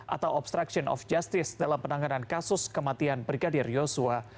atau obstruction of justice dalam penanganan kasus kematian brigadir yosua